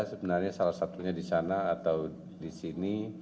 sebenarnya salah satunya di sana atau di sini